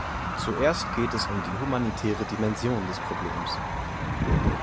Zuerst geht es um die humanitäre Dimension des Problems.